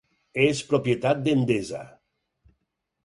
És propietat d'Endesa.